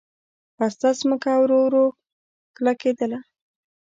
پسته ځمکه ورو ورو کلکېدله.